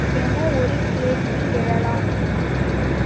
என ஒரு கேள்வி எழலாம்.